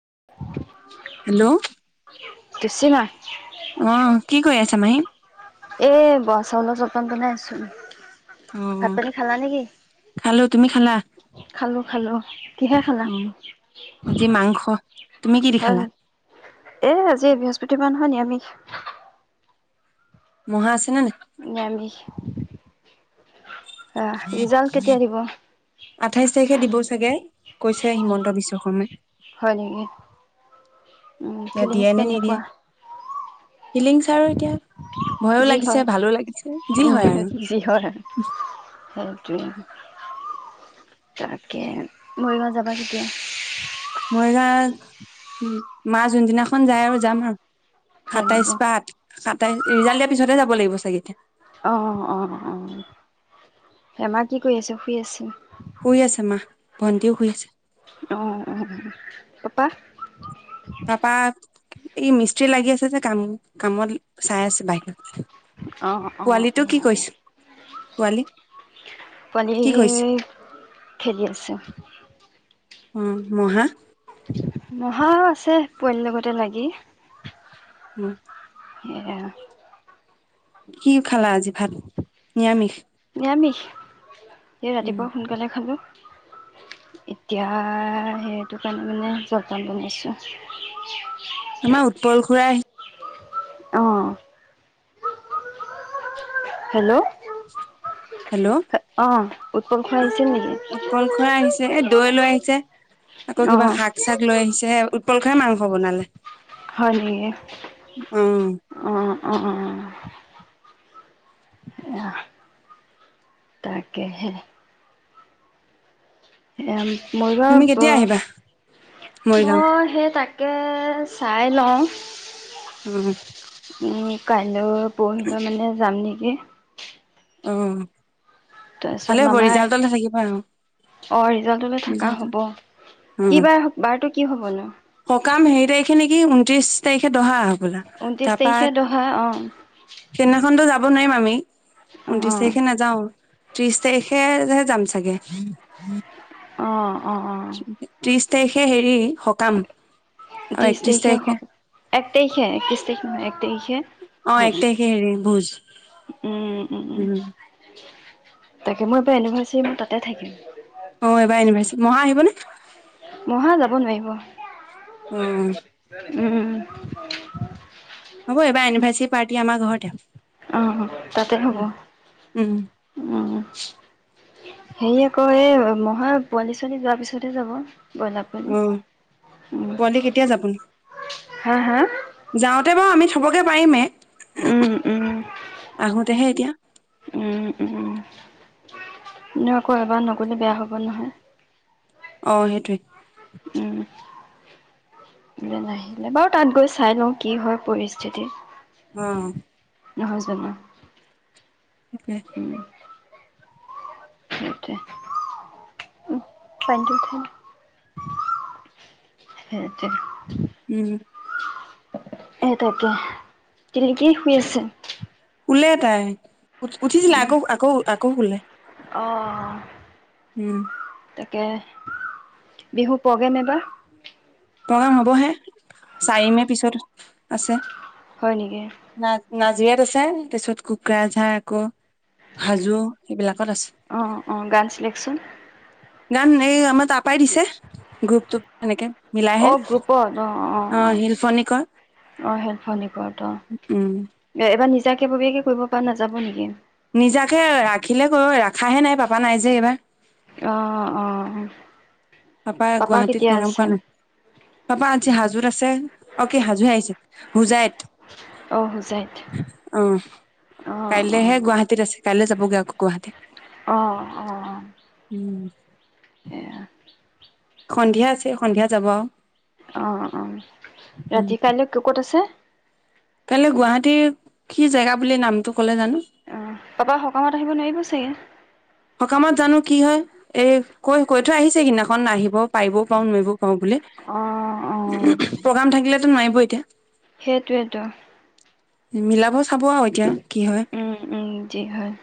[inaudible] Hello টিচিমা অ', কি ক'ৰি আছা মাহী? এ' বৰা চাউলৰ চলপন বনাই আছো। অ ভাত পানী খালা নেকি? খালো তুমি খালা খালো খালো, কিহে খালা? অ আজি মাংস তুমি কি দি হয় খালা এ' আজি বৃহস্পতি বাৰ নহয়? নিৰামিষ। মহা আছে নে নাই! নিৰামিষ। আহ, ৰিজাল্ট কেতিয়া দিব? খে দিব চাগে, কৈছে হিমন্ত বিশ্ব শৰ্মাই। হয় নেকি? এতিয়া দিয়ে ফিলিংছ নে নিদিয়ে কেনেকুৱা? ফিলিংছ আৰু এতিয়া, ভয়ো যি হয় লাগিছে ভালো লাগিছে, যি উম হয় যি হয় আৰু। সেইটোৱে তাকে, মৰিগাঁও যাবা কেতিয়া? মৰিগাঁও ও' মা যোনদিনাখন যায় আৰু যাম আৰু। হয় নেকি সাতাইশ পাত, সাতাইশ ৰিজাল্ট দিয়া পিছতহে যাব লাগিব চাগে এতিয়া অ', অ', অ', হেমা কি কৰি আছে, শুই আছে? শুই আছে মা, ভণ্টিও শুই আছে। অ'- অ, ' পাপা? পাপা ই মিস্ত্ৰী লাগি আছে যে, কাম কামত চাই আছে বাহিৰত। অ'- পোৱালিটো কি অ'-অ', কৰিছে পোৱালি কি পোৱালি কৰিছে? খেলি আছে। ও, মহা? মহা আছে, পোৱালিৰ লগতে লাগি। হু [unintelligible] কি খালা আজি ভাত? নিৰামিষ। [inaudible] এ উম, ৰাতিপুৱা সোনকালে খালো এতিয়া সেইটো কাৰণে মানে জলপান বনাইছোঁ। আমাৰ উৎপল খুৰা আহি অ' হেল্ল' হেল্ল', অঁ উৎপল খুৰা আহিছিল উৎ- নেকি উৎপল খুৰা আহিছে। এই দৈ লৈ আহিছে, আকৌ কিবা অঁ শাক- চাক লৈ আহিছে, উৎপল খুৰাই মাংস বনালে। হয় নেকি অ' অ-অ- অ' আহ তাকেহে। ইয়াম। তুমি মৰিগাওঁত কেতিয়া আহিবা তো', মৰিগাঁও? মই, সেই তাক, তাকে, চাই লওঁ। উম', - উম', -কাইলৈ পৰহিলৈ মানে যাম নেকি। অ', ভালে তাৰপিছত হ'ব মামাই। ৰিজাল্টলে থাকিবা আৰু অ', ৰিজাল্টলে থাকা ৰিজাল্ট হব। কি বাৰ হ', বাৰটো কি? কি হবনো? কাম হেৰী তাৰিখে নেকি ঊনত্ৰিছ তাৰিখে দহা। হ'বলা ঊনত্ৰিশ তাৰপা তাৰিখে দহা অ। সেইদিনাখনতো যাব নোৱাৰিম আমি। অ ঊনত্ৰিশ তাৰিখে নাযাওঁ। ত্ৰিশ তাৰিখে যে যাম চাগে। অ অ। তে', সে, হেৰি, - ত্ৰিশ তাৰিখে স এক তাৰিখে একত্ৰিছ তাৰিখে নহয়। এক তাৰিখে। অ ', ভোজ একেই হে, হেৰি ভোজ। উম উম উম তাকে, মই এইবাৰ এনিভাৰ্চাৰী মই তাতে থাকিম। অ ', এইবাৰ এনিভাৰ্চাৰী মহা আহিবনে? মহা যাব নোৱাৰিব। অ [unintelligible] উম। হ'ব', - এইবাৰ এনিভাৰ্চিত, - পাৰ্টি আমাৰ ঘৰতে। আহ তাতে হ'ব। উম উম উম। হেৰি, আকৌ এই' মহাই পোৱালি-ছোৱালী যোৱাৰ পিছতহে যাব। ব্ৰইলাৰ পোৱালি অ উম পোৱালি কেতিয়া যাবনো? হা ', - হা', যাওঁতে বাৰু আমি থবগে পাৰিমেই। উম উম। এতিয়া উম উম। ন', আকৌ এবাৰ নগলে, বেয়া হব নহয়। অ', সেইটোৱে। উম। ইয়ালে আহিলে, বাৰু তাত গৈ চাই লওঁ কি হয় পৰিস্থিতি। অ', - হয়েছে অ উম সেইটোৱে কাইলৈ ক'ত আছে উম এ তাকে, তিলিকিক শুই আছে। শুলে তাই। উঠিছিলে আকৌ আকৌ আকৌ শুলে। অ উম তাকে, বিহু প্ৰগেম এটা প্ৰগেম হব হে, চাৰি মেৰ পিছত আছে। হ'য় নেকি? না নাজিৰাত আছে। তাৰ পিছত কুকুৰাঝাৰ আঁকৌ হাজো এইবিলাক। অ অ গান চিলেকচোন গান এই আমাৰ তাৰ পৰাই দিছে। গ্ৰুপটোত হেনেকে। অ গ্ৰুপত, অ অ শিল্পনিকৰ অ অ হেফ কৰত উম অ এবাৰ নি নিজা ববিয়াকৈ কৰিব পৰা নাযাব নেকি? নিজাকে ৰাখিলে কৰো। ৰাখাহে নাই, পাপা নাই যে এইবাৰ। অ অ পাপা গুৱাহাটীত কেতিয়া প্ৰগ্ৰেম আছে কৰা নাই। পাপা আজি হাজ অ কি হাজুহে আহিছে হুজাইত, অ হুজাইত অ অ অ কাইলেহে গুৱাহাটীত আছে। কাইলে জাবগৈ আকৌ গুৱাহাটীত। অ, অ উম উম এৰা সন্ধিয়া আজি, সন্ধিয়া যাব আৰু অ অ উম ৰাতি কাইলৈ ক'ত আছে কাইলৈ গুৱাহাটীৰ কি জেগা বুলি নামটো ক'লে জানো অ, পাপা সকামত আহিব নোৱাৰিব চাগে? সকামত জানো কি হয়। এই কৈ, কৈ থৈ আহিছে সিদিনাখন। আহিব পাৰিবও পাৰো নুৱাঁৰিবও পাওঁ বুলি। অ অ প্ৰগ্ৰাম থাকিলে নোৱাৰিব এতিয়া। সেইটোৱেই তো মিলাাবছ উম উম যি হয়।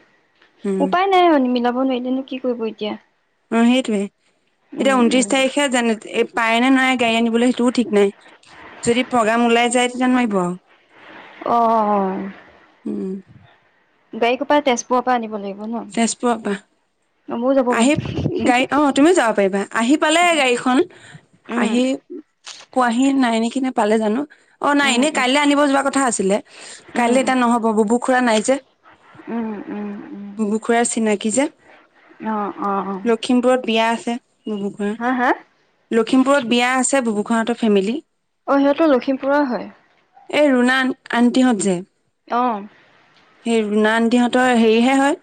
উম উপায় নাই আৰু নিমিলক গৈ মেলি কি কৰিব এতিয়া। অ সেইটোয়ে [inaudible] এতিয়া উম ঊনত্ৰিশ উম তাৰিখে জান পায় নে নাই গাড়ী আনিবলৈ সেইটোও ঠিক নাই। যদি প্ৰগ্ৰাম ওলাই যায়, তেতিয়া নোৱাৰিব আৰু। অ, উম গাড়ী ক'পা তেজপুৰৰ পৰা আনিব লাগিব? ন তেজপুৰৰ পা ময়ো যাব পাৰিম আহি গাড়ী, অ তুমিও যাব পাৰিবা। আহি পালে গাড়ীখন, উম আহি পোৱাহি নাই, নেকি নে পালে জানো? অ' নাই, উম এনেই উম কাইলৈ আনিব যোৱা কথা আছিলে কাইলৈ উম এতিয়া নহ'ব ববু খুৰা নাই যে, উম উম ববু খুুৰাৰ চিনাকি যে। অঁ, অঁ অঁ লখিমপুৰত বিয়া আছে। বুবু খুৰা লখিমপুৰত বিয়া আছে বুবুু খুৱাহঁতৰ ফেমিলি। অ' সেইতো লখিমপুৰৰ হয়। এই ৰুনা আন- আন্টিহঁত যে অঁ হেই ৰুনা আন্টিহঁতৰ হেৰিহে হয়।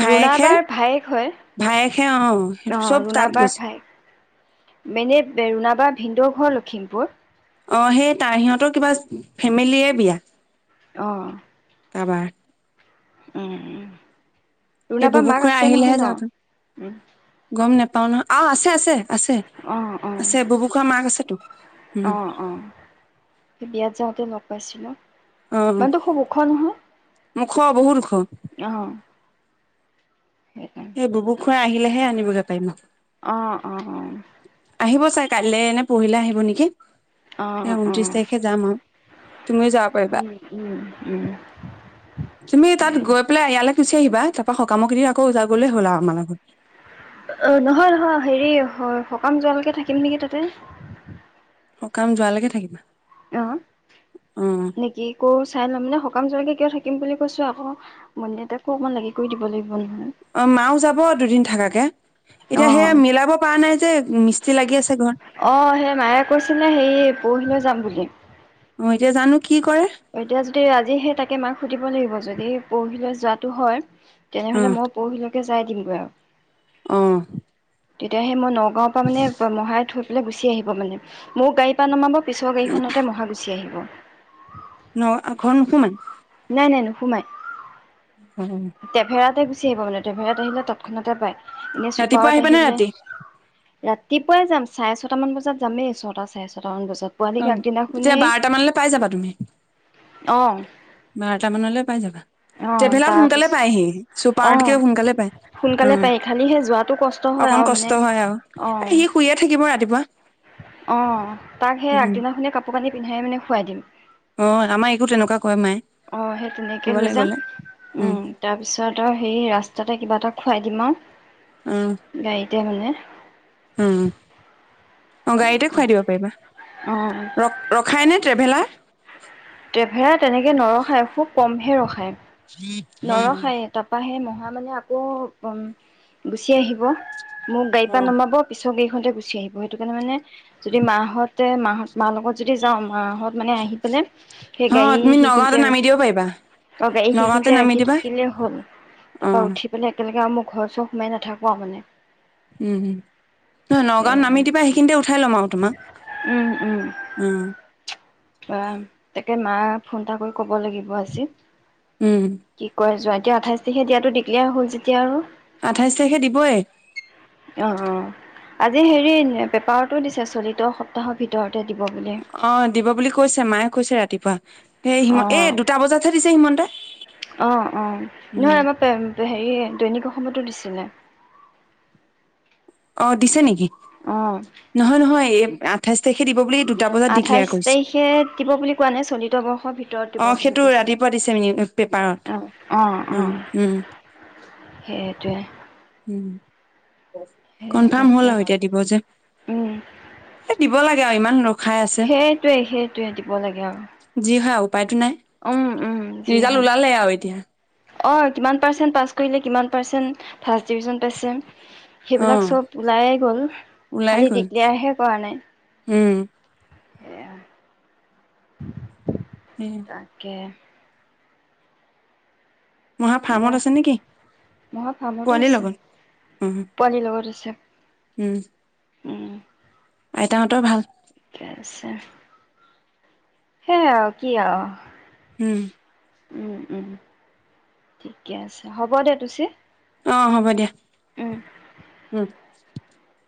ভায়েকহে ৰুণাবাৰ ভায়েক হয়। অ, চব তাত ৰুণাবাৰ গৈছে ভায়েক। মেনেব ৰুণাবাৰ ভিনদ ঘৰ লখিম পুৰ। অঁ, হেই তাৰ সিহঁতৰ কিবা ফেমেলিয়ে বিয়া। অঁ। কাবাৰ। উম, উম। এ ৰুণাবাৰ ববু মাক খুৰা আছে নহয় আহিলেহে ন যাব পাৰিম। গম নেপাও পাওঁ নহয়, আৰু আছে, আছে। আছে, অ অ আছে বুবু খুৱা মাক আছেতো। উম। অ অ পাইছ মানুহটো খুব ওখ নহয়। মুখ বহুত ওখ। সেকানে। তই আহিলেহে আনিবগে পাৰিম আউ। অঁ, অঁ, অঁ। আহিব চাই কাইলে নে প'হিলে আহিব নেকি? অ এ অ অ ঊনত্ৰিশ তাৰিখে যাম আউ। তুমিও যাব পাৰিবা। উম উম উম তুমি তাত গৈ পেলাই ইয়ালে গুচি আহিবা তাপা সকামক কিদিন আকৌ যাবা গ'লেই হ'ল আউ আমাৰ লগত। অ', নহয় নহয় হেৰি সকাম যোৱালৈকে থাকিম নেকি তাতে। অ কাম যোৱালৈকে থাকিবা অ অ নেকি কৌ চাই লম মানে সকাম চলকে কিয় থাকে থাকিম বুলি কৈছো আকৌ মন্দেউতাকো অকমান লাগি কৈ দিব লাগিব নহয় অ মাও যাব দুদিন থাকাকে এতিয়া অ সেয়া মিলাব পৰা নাই যে মিস্ত্ৰী লাগি আছে ঘৰত অ সেই মায়ে কৈছিলে হে পৰহিলৈ যাম বুলি অ এতিয়া জানো কি কৰে এতিয়া যদি আজি সে তাকে মাক সুধিব লাগিব যদি পৰহিলৈ যোৱাটো হয় তেনেহলে মই পঢ়িলো তে যাই দিমগৈ আৰু অঁ তেতিয়াহে মই ন গৰৱৰ পৰা মানে মহাই থ গুচি আহিব মানে মোক গাড়ীৰ পৰা নমাব পিছৰ গাড়খতে মহাগুচি আহিব ন ঘৰত নোসোমাই নাই নাই নো সোমাই অ তেফেৰাতে চি পাব মে ড্ৰেভালত আহিলে তৎক্ষণতে পায় এনেই ৰাতিপুৱা চুপাৰত আহিবা নে আহিলে ৰাতি ৰাতিপুৱাই যাম চাৰে ছটামান বজাত যামেই ছটা চাৰে ছটামান বজাত। পোৱালিক অ এতিয়া আগদিনাখনেই বাৰটা মানলৈ পাই যাবা তুমি আহ বাৰট মানলৈ পাই যাবা ট্ৰেভেলাৰ সোনকালে তাৰপিছত পায় সি অঁ চুপাৰতকেও সোনকালে পায় উ সোনকালে পাৰি খালি সেই যোৱাটো কষ্ট হয় আৰু অকন মানে কষ্ট হয় আৰু অ', এ সি শুইয়ে থাকিব ৰাতিপুৱা অ তাক সেই উম আগদিনাখনে কাপোৰ কানি পিন্ধাই মানে শুৱাই দিম অ আমাৰ একো তেনেকুৱা কয় মায়ে অ সেই তেনেকে ক'বালৈ লৈ যাম গ'লে উম তাৰপিছত আৰু সেই ৰাস্তাতে কিবা এটা খুৱাই দিমা উম আও গাড়ীতে মানে উম। অ', গাড়ীতে খুৱাই দিব পাৰিবা। অ', ৰখাই নে ট্ৰেভেলাৰ? হে তেনেকৈ নৰখায় খুব কমহে ৰখায় নৰসাইে তপাহে মহা মানে আকৌ গুচি আহিব। মোক গাড়ী অ পৰা নমাব পিছ চব এইখনতে গুচিআহিব সেইটোকাৰণে মানে যদি মা হ'ত তে মাহ'ত মাৰ লগত যদি যাওঁ মাহ'ত মানে আহি পেলাই সেই হ গাড়ী তুমি নগাঁওতে সেইখিনিতে নামি ৰখি দিব পাৰিবা আৰু গাড়ী নগাঁওতে সেইখিনিতে নামি ৰাখি দিবা থাকিলে হ'ল। অ তাৰপা উঠি পেলাই একেলগে অৰু মোক [unintelligible] ঘৰ চৰ সোমাই নাথাকো আও মানে। উম উয নহ নগাঁৱত নামি দিবা। সেইখিনিতে উঠাই ল'ম আও তোমাক। অ' অ' তাকে মা ফোন এটা কৰি ক'ব লাগিব আজি। উম কি ক'য় জোঁ এতিয়া আঠাইছ তাৰিখে দিয়াটো ডিক্লেয়াৰ হ'ল যেতিয়া আৰু আঠাইশ তাৰিখে দিবৈ। অ অ। আজি হেৰি পেপাৰটো দিছে চলিত সপ্তাহৰ ভিতৰত অ, দিব বুলি কৈছে, মায়ে কৈছে ৰাতিপুৱা। হেই অ। এই দুটা বজাতহে দিছে হিমন্ত অ' অ' নহয় আমাৰ হেৰি দৈনিক অসমতো দিছে। তনে। [inaudible] অ' দিছে নেকি? নহয় নহয় এই আঠাইছ তাৰখে দিব বুলি দুটা বজাত ডিক্লেয়াৰ আঠাইশ কৰিছে তাৰিখে দিব বুলি কোৱা নাই। চলিত বৰ্ষৰ ভিতৰত অ দিব বুলি সেইটো কৈছে ৰাতিপুৱা দিছে নি পেপাৰত অ' অ' সেইটোৱে। উম [inaudible] সেই কনফাৰ্ম হ'ল তাকে আও এতিয়া। দিব যে এ দিব লাগে। য় ইমান নু সেইটোৱেই সেইটোৱে দিব লাগে আৰু। যি হয় উপায়তো নাই। উম উম যি ৰিজাল্ট হ'ল ওলালে আও এতিয়া। অ' কিমান পাৰ্চেণ্ট পাছ কৰিলে, কিমান পাৰ্চেণ্ট ফাৰ্ষ্ট ডিভিজন পাইছে, অ সেইবিলাক চব ওলাই গ'ল। ওলাই খালি গ'ল দিক্লেয়াৰহে কৰা নাই। উম এয়া সেই [inaudible] তাকে মহা ফাৰ্মত আছে নেকি [unintelligible] মহা ফাৰ্মতে পোৱালিৰ আছে লগত উম পোৱালিৰ লগত আছে উম, উম, আইতাহঁতৰ ভাল? ঠিকে আছে। সেয়ে আৰু কি আৰু। হুম। উম -উম ঠিকে আছে হ'ব দে তুচি। অঁ হ'ব দিয়া। উম। [inaudible]